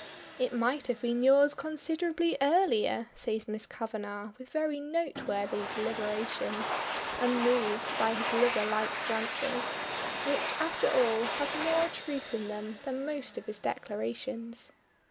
"It might have been yours considerably earlier," says Miss Kavanagh with very noteworthy deliberation, unmoved by his lover like glances, which after all have more truth in them than most of his declarations.